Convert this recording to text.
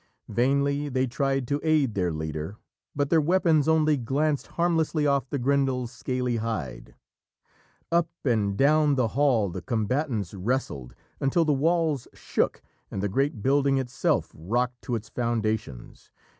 Vainly they tried to aid their leader, but their weapons only glanced harmlessly off the Grendel's scaly hide. Up and down the hall the combatants wrestled, until the walls shook and the great building itself rocked to its foundations.